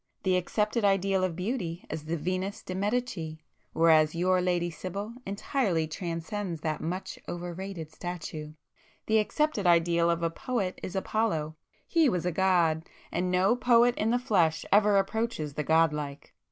The accepted ideal of beauty is the Venus de Medicis,—whereas your Lady Sibyl entirely transcends that much over rated statue. The accepted ideal of a poet is Apollo,—he was a god,—and no poet in the flesh ever approaches the god like!